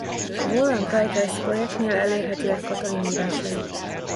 A Women Writers Projectnél elérhetőek Katalin írásai.